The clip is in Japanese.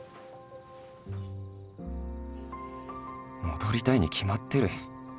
戻りたいに決まってる